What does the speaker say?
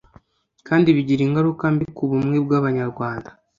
kandi bigira ingaruka mbi ku bumwe bw'Abanyarwanda.